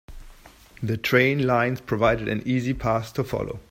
The train lines provided an easy path to follow.